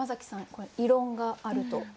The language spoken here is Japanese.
これ異論があると？